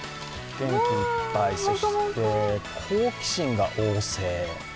元気いっぱい、そして好奇心が旺盛